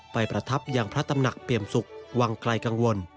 ประทับยังพระตำหนักเปรียมสุขวังไกลกังวล